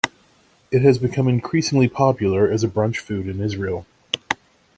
It has become increasingly popular as a brunch food in Israel.